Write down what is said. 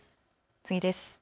次です。